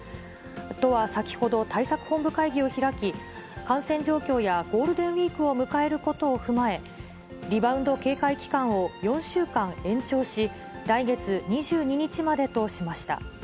都は先ほど、対策本部会議を開き、感染状況やゴールデンウィークを迎えることを踏まえ、リバウンド警戒期間を４週間延長し、来月２２日までとしました。